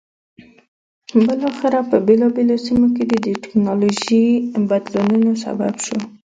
بالاخره په بېلابېلو سیمو کې د ټکنالوژیکي بدلونونو سبب شو.